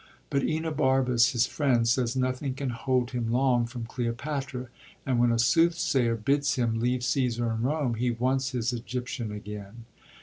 But Enobarbus, his friend, says nothing can hold him long from Cleopatra; and when a soothsayer bids him leave Caesar and Rome, he wants his Egyptian again.